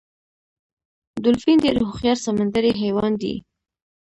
ډولفین ډیر هوښیار سمندری حیوان دی